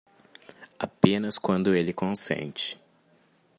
Apenas quando ele consente.